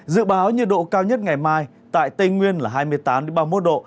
dự báo nhiệt độ cao nhất ngày mai tại tây nguyên là hai mươi tám ba mươi một độ